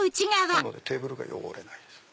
なのでテーブルが汚れない。